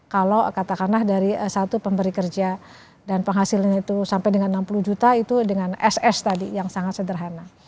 kalau katakanlah dari satu pemberi kerja dan penghasilan itu sampai dengan enam puluh juta itu dengan ss tadi yang sangat sederhana